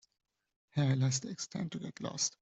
Hair elastics tend to get lost.